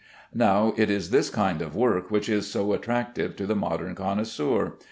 Now it is this kind of work which is so attractive to the modern connoisseur.